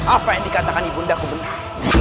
apa yang dikatakan ibundaku benar